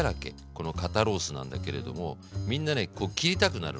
この肩ロースなんだけれどもみんなねこう切りたくなるのね。